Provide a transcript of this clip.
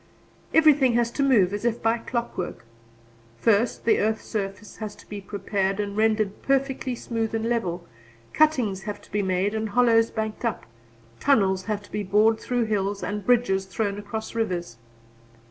Everything has to move as if by clockwork. First the earth surface has to be prepared and rendered perfectly smooth and level; cuttings have to be made and hollows banked up; tunnels have to be bored through hills and bridges thrown across rivers.